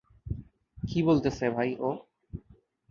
কী বলতেসে, ভাই ও?